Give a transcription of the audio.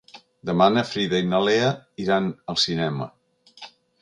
Demà na Frida i na Lea iran al cinema.